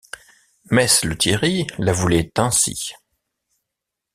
Mess Lethierry la voulait ainsi.